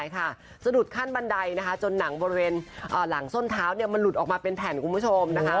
จะหนี่ขั้นบันไดจนหลังส้นเท้าหลุดออกมาเป็นแผ่นคุณผู้ชม